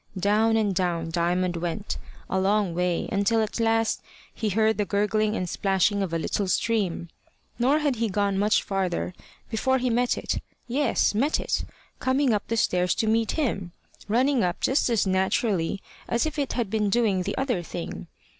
Down and down Diamond went a long way, until at last he heard the gurgling and splashing of a little stream; nor had he gone much farther before he met it yes, met it coming up the stairs to meet him, running up just as naturally as if it had been doing the other thing.